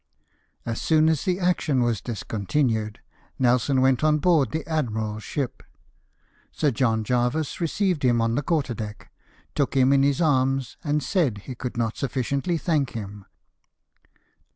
As soon as the action was discontinued, Nelson went on board the admiral's ship. Sir John Jervis received him on the quarter deck, took him in his arms, and said he could not sufficiently thank him.